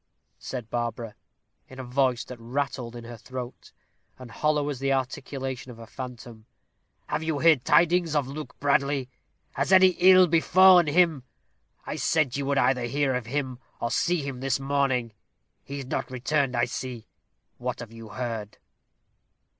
said Barbara, in a voice that rattled in her throat, and hollow as the articulation of a phantom. "Have you heard tidings of Luke Bradley? Has any ill befallen him? I said you would either hear of him or see him this morning. He is not returned, I see. What have you heard?"